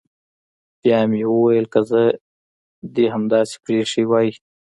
بيا مې وويل که زه دې هماغسې پريښى واى.